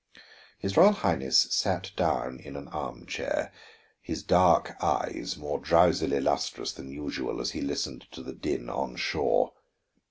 His Royal Highness sat down in an arm chair, his dark eyes more drowsily lustrous than usual as he listened to the din on shore.